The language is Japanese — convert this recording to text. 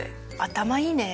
頭いいね。